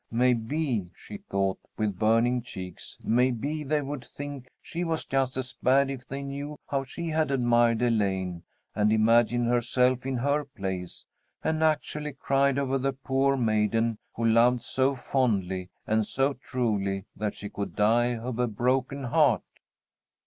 Maybe, she thought with burning cheeks, maybe they would think she was just as bad if they knew how she had admired Elaine and imagined herself in her place, and actually cried over the poor maiden who loved so fondly and so truly that she could die of a broken heart.